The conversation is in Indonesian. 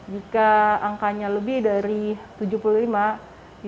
jika angkanya lebih dari tujuh puluh lima